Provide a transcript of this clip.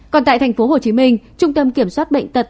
còn tại tp hcm trung tâm kiểm soát bệnh tật